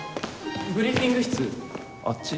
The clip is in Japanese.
ブリーフィング室あっち。